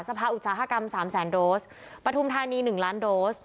สภาอุตสาหกรรม๓๐๐๐โดสปฐุมธานี๑๐๐๐๐๐๐โดส